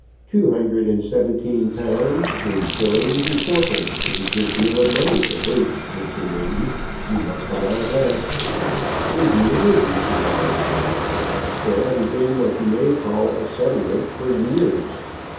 "Two hundred and seventeen pounds, three shillings and four pence is a good deal of money for boots, Mr. Newton, You must allow that." "Indeed it is, Mr. Moggs." "There hasn't been what you may call a settlement for years.